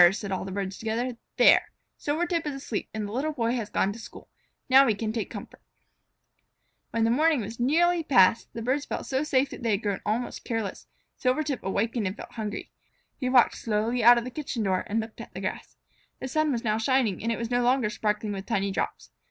said all the birds together. "There! Silvertip is asleep and the Little Boy has gone to school. Now we can take comfort." When the morning was nearly past, and the birds felt so safe that they had grown almost careless, Silvertip wakened and felt hungry. He walked slowly out of the kitchen door and looked at the grass. The sun was now shining, and it was no longer sparkling with tiny drops.